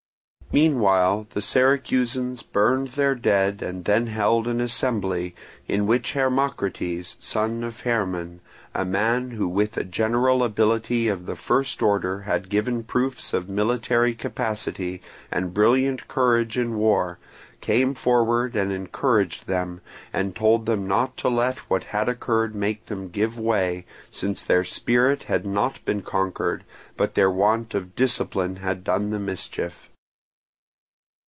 Meanwhile the Syracusans burned their dead and then held an assembly, in which Hermocrates, son of Hermon, a man who with a general ability of the first order had given proofs of military capacity and brilliant courage in the war, came forward and encouraged them, and told them not to let what had occurred make them give way, since their spirit had not been conquered, but their want of discipline had done the mischief.